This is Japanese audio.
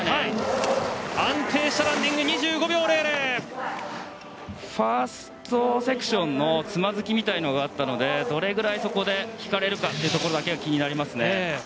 安定したランディングでファーストセクションのつまずきみたいなものがあったのでどれぐらいそこで引かれるかだけが気になりますね。